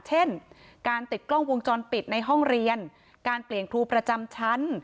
เช่นการติดกล้องวงจรปิดในห้องเรียนการเปลี่ยนครูประจำชั้น